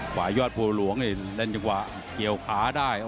ขวายอร์ดพูลวงเนี่ยดันจังหวะเกี่ยวขาได้